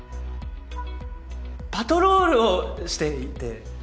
パトロールをしていて。